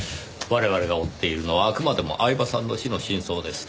我々が追っているのはあくまでも饗庭さんの死の真相です。